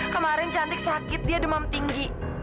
kemarin cantik sakit dia demam tinggi